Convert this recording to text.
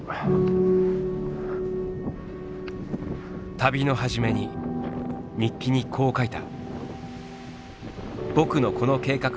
旅の初めに日記にこう書いた。